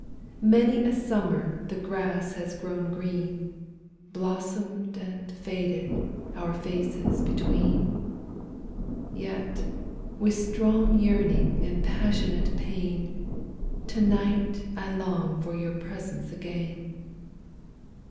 Many a summer the grass has grown green, Blossomed and faded, our faces between:Yet, with strong yearning and passionate pain, Long I to night for your presence again.